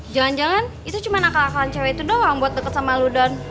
jangan jangan itu cuma akal akalan cewek itu doang buat deket sama lu don